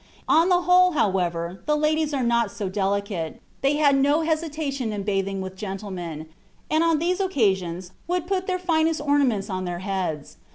On the whole, however, the ladies were not so delicate; they had no hesitation in bathing with gentlemen, and on these occasions would put their finest ornaments on their heads.